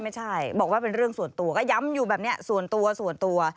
ไม่ใช่บอกว่าเป็นเรื่องส่วนตัวก็ย้ำอยู่แบบนี้ส่วนตัวส่วนตัว